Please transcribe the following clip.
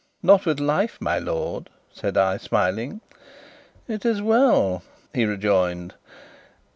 "Not with life, my lord," said I, smiling. "It is well," he rejoined.